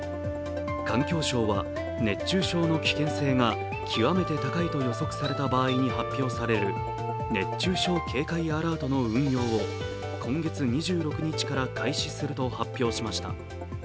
環境省は、熱中症の危険性が極めて高いと予測された場合に発表される熱中症警戒アラートの運用を今月２６日から開始すると発表しました。